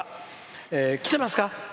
来てますか？